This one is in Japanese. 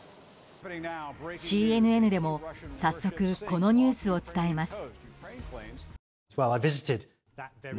ＣＮＮでも早速このニュースを伝えます。